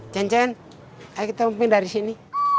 cen cen ayo kita mimpin dari sini